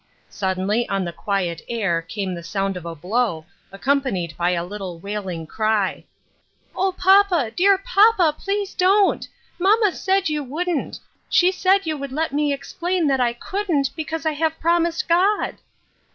Suddenly on the quiet air came the sound of a blow, accompanied by a little wailing cry, —" O, papa, dear papa, please don't ! Mamma said you wouldn't ; she said you would let me explain that I couldn't, because I have promised God."